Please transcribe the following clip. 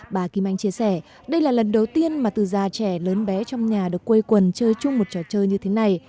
bà kim anh chia sẻ đây là lần đầu tiên mà từ già trẻ lớn bé trong nhà được quây quần chơi chung một trò chơi như thế này